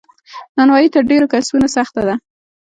نانوایې تر ډیرو کسبونو سخته ده.